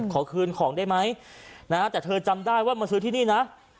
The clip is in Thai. ขอคืนของได้ไหมนะฮะแต่เธอจำได้ว่ามาซื้อที่นี่นะ